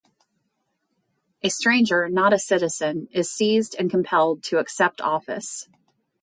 A stranger, not a citizen, is seized and compelled to accept office.